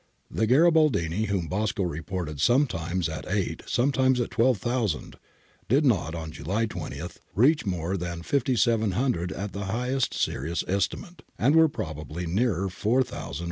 The Garibaldini, whom Bosco reported sometimes at eight sometimes at twelve thousand, did not on July 20 reach more than 5700 at the highest serious estimate, and were probably nearer 4000 or 5000.